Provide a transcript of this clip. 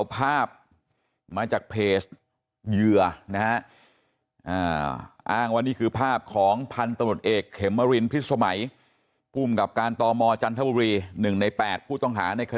เป็นญาติไฟไหน